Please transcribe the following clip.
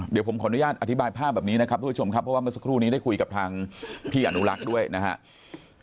เดี๋ยวผมขออนุญาตอธิบายภาพแบบนี้นะครับทุกผู้ชมครับเพราะว่าเมื่อสักครู่นี้ได้คุยกับทางพี่อนุรักษ์ด้วยนะครับ